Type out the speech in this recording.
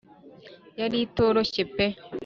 yari ituroshye pe